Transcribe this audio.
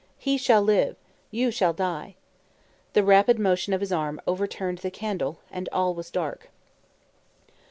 He shall live; you shall die!" The rapid motion of his arm overturned the candle, and all was dark.